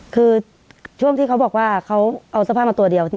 คือช่วงที่เขาบอกว่าเขาเอาเสื้อผ้ามาตัวเดียว